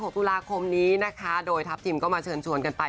ตุลาคมนี้นะคะโดยทัพทิมก็มาเชิญชวนกันไป